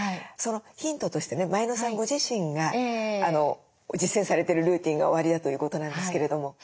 そのヒントとしてね前野さんご自身が実践されてるルーティンがおありだということなんですけれども。